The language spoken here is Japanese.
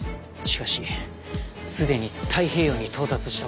しかしすでに太平洋に到達した恐れも。